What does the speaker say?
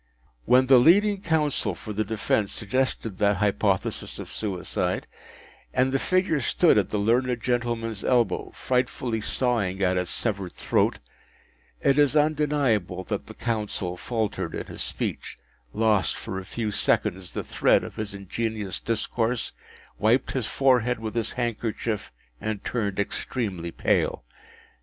When the leading counsel for the defence suggested that hypothesis of suicide, and the figure stood at the learned gentleman’s elbow, frightfully sawing at its severed throat, it is undeniable that the counsel faltered in his speech, lost for a few seconds the thread of his ingenious discourse, wiped his forehead with his handkerchief, and turned extremely pale.